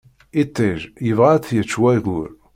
Iṭij yebɣa ad t-yečč wayyur.